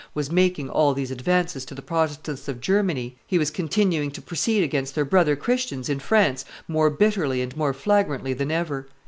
was making all these advances to the Protestants of Germany, he was continuing to proceed against their brother Christians in France more bitterly and more flagrantly than ever.